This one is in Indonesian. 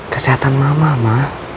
kesehatan mama ma